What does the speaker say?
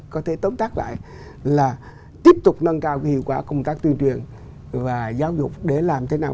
có thể tốn tác lại là tiếp tục nâng cao cái hiệu quả công tác tuyên truyền và giáo dục để làm thế nào